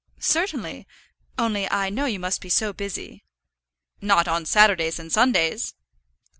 "Certainly, only I know you must be so busy." "Not on Saturdays and Sundays."